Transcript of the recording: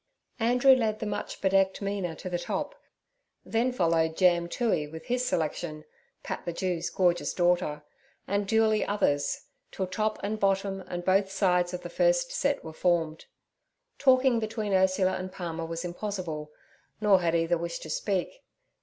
Andrew led the much bedecked Mina to the top; then followed Jam Toohey with his selection, Pat the Jew's gorgeous daughter, and duly others, till top and bottom and both sides of the first set were formed. Talking between Ursula and Palmer was impossible, nor had either wish to speak.